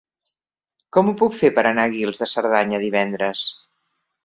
Com ho puc fer per anar a Guils de Cerdanya divendres?